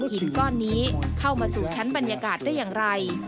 หินก้อนนี้เข้ามาสู่ชั้นบรรยากาศได้อย่างไร